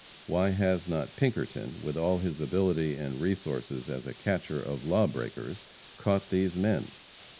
Why has not Pinkerton, with all his ability and resources as a catcher of lawbreakers, caught these men?